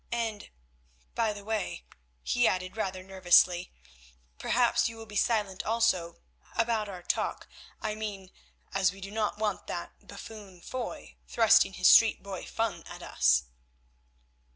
And, by the way," he added rather nervously, "perhaps you will be silent also—about our talk, I mean, as we do not want that buffoon, Foy, thrusting his street boy fun at us."